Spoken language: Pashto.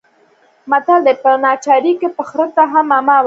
متل دی: په ناچارۍ کې به خره ته هم ماما وايې.